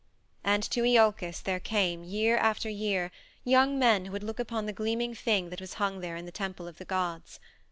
And to Iolcus there came, year after year, young men who would look upon the gleaming thing that was hung there in the temple of the gods.